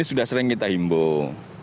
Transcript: ini sudah sering kita himbong